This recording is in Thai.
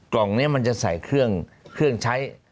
กล่องนี้มันจะใส่เครื่องใช้